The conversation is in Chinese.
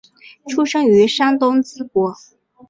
出生于山东淄博。